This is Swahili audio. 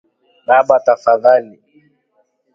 Baba tafadhali